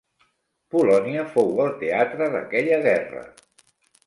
Polònia fou el teatre d'aquella guerra.